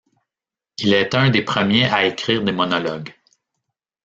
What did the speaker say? Il est un des premiers à écrire des monologues.